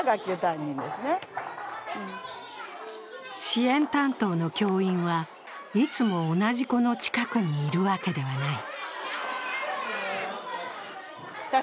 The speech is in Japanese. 支援担当の教員は、いつも同じ子の近くにいるわけではない。